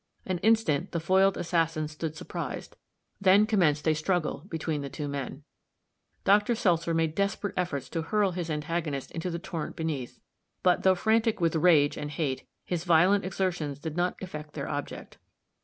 An instant the foiled assassin stood surprised; then commenced a struggle between the two men. Dr. Seltzer made desperate efforts to hurl his antagonist into the torrent beneath; but, though frantic with rage and hate, his violent exertions did not effect their object.